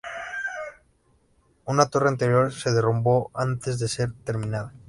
Una torre anterior se derrumbó antes de ser terminada.